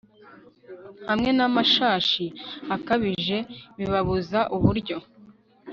hamwe n'amashahi akabije bibabuza uburyo